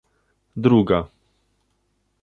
Druga